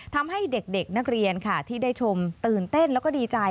ทำให้เด็กนักเรียนค่ะที่ได้ชมตื่นเต้นแล้วก็ดีใจ